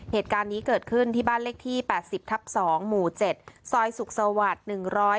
เหตุการณ์นี้เกิดขึ้นที่บ้านเลขที่แปดสิบทับสองหมู่เจ็ดซอยสุขสวรรค์หนึ่งร้อย